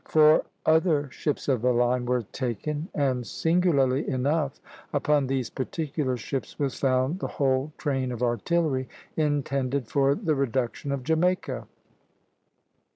Four other ships of the line were taken, and, singularly enough, upon these particular ships was found the whole train of artillery intended for the reduction of Jamaica.